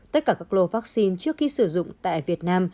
tất cả các lô vaccine trước khi sử dụng tại việt nam